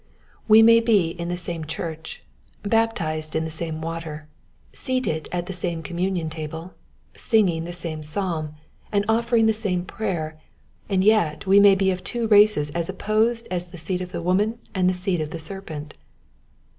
We niay be in the same church, baptized in the same water, seated at the 8 According to tUe Promise. same communion table, singing the same psalm, and offering the same prayer ; and yet we may be of two races as opposed as the seed of the woman and the seed of the serpent.